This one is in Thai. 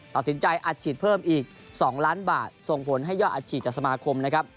ตัดสินใจอัดฉีดเพิ่มอีก๒ล้านบาทส่งผลให้ยอดอัดฉีดจากสมาคมนะครับ